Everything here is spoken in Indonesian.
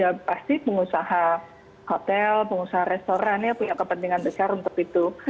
dan ya pasti pengusaha hotel pengusaha restoran ya punya kepentingan besar untuk itu